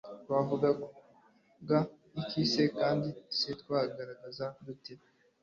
twavuga iki se kandi se twagaragaza dute